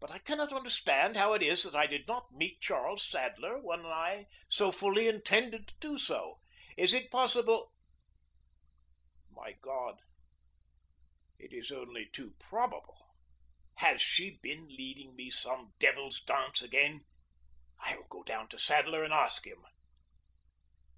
But I cannot understand how it is that I did not meet Charles Sadler when I so fully intended to do so. Is it possible My God, it is only too probable! Has she been leading me some devil's dance again? I will go down to Sadler and ask him.